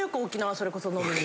それこそ飲みに。